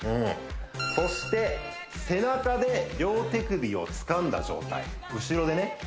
そして背中で両手首をつかんだ状態後ろでね